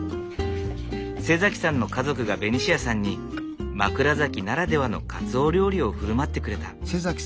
さんの家族がベニシアさんに枕崎ならではのかつお料理を振る舞ってくれた。